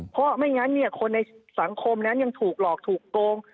เพราะไม่งั้นคนในสังคมนั้นยังถูกหลอกถูกโกง